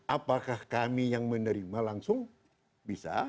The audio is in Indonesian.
apakah kami yang menerima langsung bisa